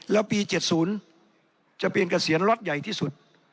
แล้วปี๗๐จะเป็นเกษียณล็อตใหญ่ที่สุด